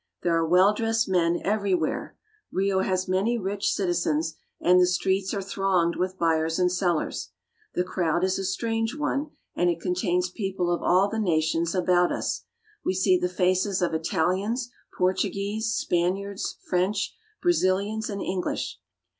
There are well dressed men every where. Rio has many rich citi zens and the streets are thronged with buyers and sellers. The crowd is a strange one and it contains people of all the na tions about us. We see the faces of Italians, Portuguese, Spaniards, French, Brazilians, and English.